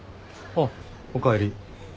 あっおかえり。